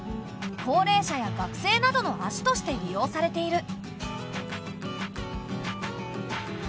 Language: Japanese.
高齢者や学生などの足として利用されている。